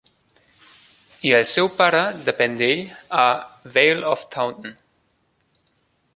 I el seu pare depèn d'ell a Vale of Taunton.